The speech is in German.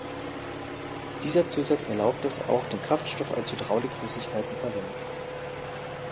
Dieser Zusatz erlaubte es auch, den Kraftstoff als Hydraulikflüssigkeit zu verwenden.